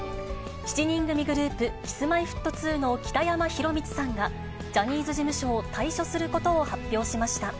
７人組グループ、Ｋｉｓ−Ｍｙ−Ｆｔ２の北山宏光さんが、ジャニーズ事務所を退所することを発表しました。